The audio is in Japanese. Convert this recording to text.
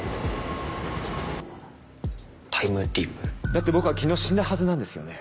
だって僕は昨日死んだはずなんですよね？